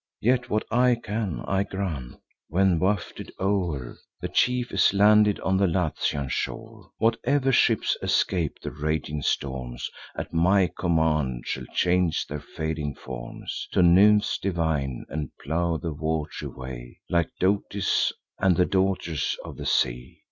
Yet, what I can, I grant; when, wafted o'er, The chief is landed on the Latian shore, Whatever ships escape the raging storms, At my command shall change their fading forms To nymphs divine, and plow the wat'ry way, Like Dotis and the daughters of the sea."